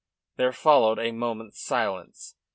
There followed a moment's silence.